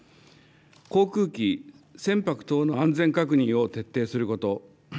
航空機、船舶等の安全確認を徹底すること。